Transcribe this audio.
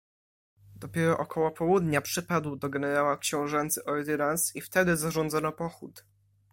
"Dopiero około południa przypadł do generała książęcy ordynans i wtedy zarządzono pochód."